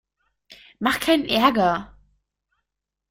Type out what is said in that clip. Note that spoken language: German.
Mach keinen Ärger!